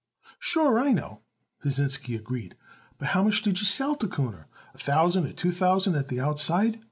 "Sure, I know," Pasinsky agreed, "but how much did you sell Kuhner? A thousand or two thousand at the outside.